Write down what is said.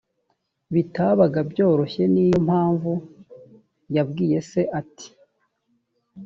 bitabaga byoroshye ni yo mpamvu yabwiye se ati